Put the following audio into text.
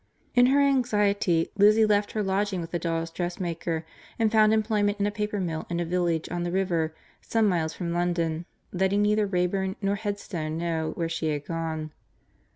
In her anxiety Lizzie left her lodging with the dolls' dressmaker, and found employment in a paper mill in a village on the river, some miles from London, letting neither Wrayburn nor Headstone know where she had gone.